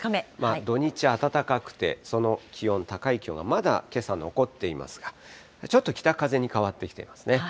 土日暖かくて、その高い気温がまだけさ残っていますが、ちょっと北風に変わってきていますね。